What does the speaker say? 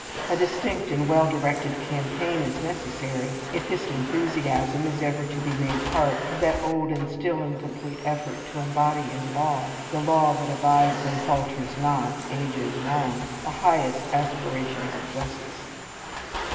A distinct and well directed campaign is necessary if this gallant enthusiasm is ever to be made part of that old and still incomplete effort to embody in law "the law that abides and falters not, ages long" the highest aspirations for justice.